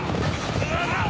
うわっ！